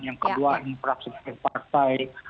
yang kedua imparatif partai